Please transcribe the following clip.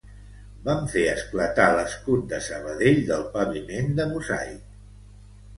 Vam fer esclatar l'escut de Sabadell del paviment de mosaic.